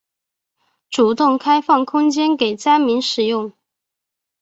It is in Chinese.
主动开放空间给灾民使用